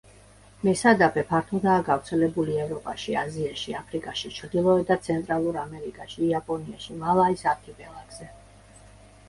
მესადაფე ფართოდაა გავრცელებული ევროპაში, აზიაში, აფრიკაში, ჩრდილოეთ და ცენტრალურ ამერიკაში, იაპონიაში, მალაის არქიპელაგზე.